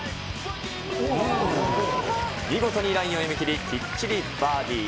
見事にラインを読み切り、きっちりバーディー。